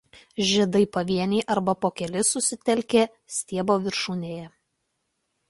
Žiedai pavieniai arba po kelis susitelkę stiebo viršūnėje.